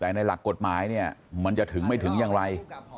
แต่ในหลักกฎหมายเนี่ยมันจะถึงไม่ถึงอย่างไร